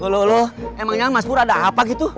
lolo emangnya mas pur ada apa gitu